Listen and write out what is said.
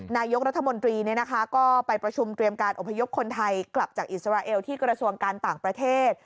นายกรัฐมนตรีก็ไปประชุมเตรียมการอพยพคนไทยกลับจากอิสราเอลที่กระทรวงการต่างประเทศ